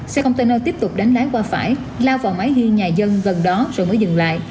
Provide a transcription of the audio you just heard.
xe container tiếp tục đánh lái qua phải lao vào máy ghi nhà dân gần đó rồi mới dừng lại